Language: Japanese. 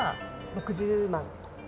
６０万。